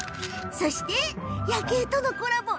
そして夜景とのコラボ。